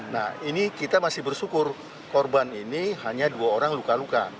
nah ini kita masih bersyukur korban ini hanya dua orang luka luka